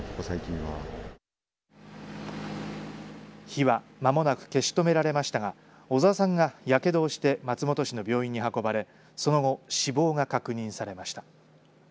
火はまもなく消し止められましたが小澤さんがやけどをして松本市の病院に運ばれその後、死亡が確認されました。